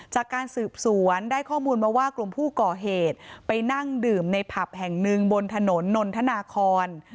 จากการสืบสวนได้ข้อมูลมาว่ากลุ่มผู้ก่อเหตุไปนั่งดื่มในผับแห่งหนึ่งบนถนนนนทนาคอน